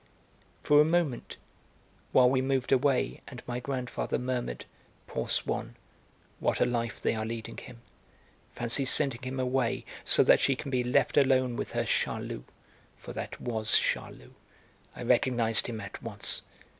For a moment (while we moved away, and my grandfather murmured: "Poor Swann, what a life they are leading him; fancy sending him away so that she can be left alone with her Charlus for that was Charlus: I recognised him at once!